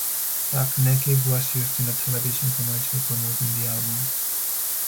"Buck Nekkid" was used in a television commercial promoting the album.